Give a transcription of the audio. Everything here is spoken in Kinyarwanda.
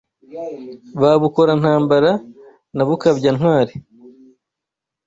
Ba Bukora-ntambara na Bukabya-ntwari